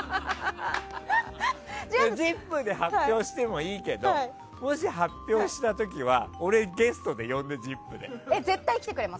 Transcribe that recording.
「ＺＩＰ！」で発表してもいいけどもし発表した時は俺ゲストで呼んで絶対来てくれます？